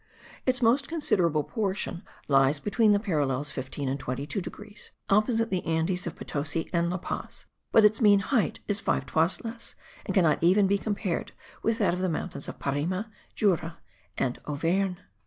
Its most considerable portion lies between the parallels 15 and 22 degrees, opposite the Andes of Potosi and La Paz, but its mean height is five toises less, and cannot even be compared with that of the mountains of Parime, Jura and Auvergne.